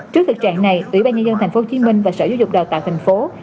trước thực trạng này quỹ ba nhân dân tp hcm và sở giáo dục đào tạo tp hcm